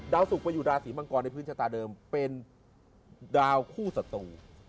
ดาวสุขประหยุดราศีมังกรในพื้นชะตาเดิมเป็นดาวคู่สตรง